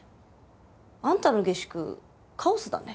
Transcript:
あんたの下宿カオスだね。